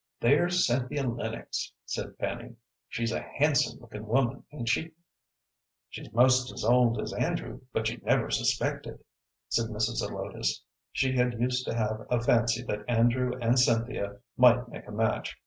"There's Cynthia Lennox," said Fanny. "She's a handsome lookin' woman, ain't she?" "She's most as old as Andrew, but you'd never suspect it," said Mrs. Zelotes. She had used to have a fancy that Andrew and Cynthia might make a match.